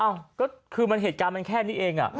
เอ้าคือเหตุการณ์มันแค่นี้เอง